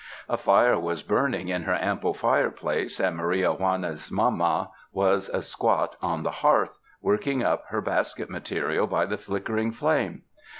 A fire was burning in her ample fire place, and Maria Juana's mama was a squat on the hearth, working up her basket material by the flickering flame.